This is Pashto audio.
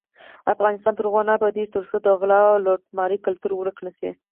افغانستان تر هغو نه ابادیږي، ترڅو د غلا او لوټمار کلتور ورک نشي.